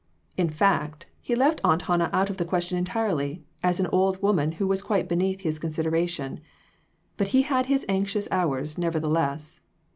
R. 415 In fact, he left Aunt Hannah out of the question entirely, as an old woman who was quite beneath his consideration. But he had his anxious hours, nevertheless.